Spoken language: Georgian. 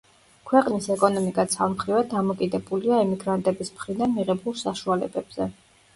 ქვეყნის ეკონომიკა ცალმხრივად დამოკიდებულია ემიგრანტების მხრიდან მიღებულ საშუალებებზე.